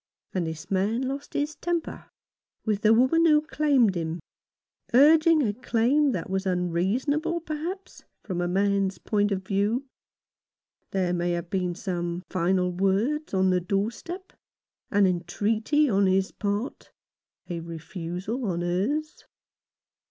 And this man lost his temper with the woman who claimed him — urging a claim that was unreasonable, perhaps, from a man's point of view. There may have been some final words on the doorstep — an entreaty on his part — a refusal on hers.